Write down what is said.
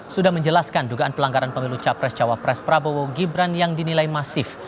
sudah menjelaskan dugaan pelanggaran pemilu capres cawapres prabowo gibran yang dinilai masif